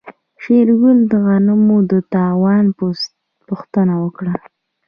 شېرګل د غنمو د تاوان پوښتنه وکړه.